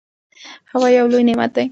هوا یو لوی نعمت دی.